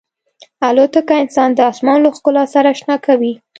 الوتکه انسان د آسمان له ښکلا سره اشنا کوي.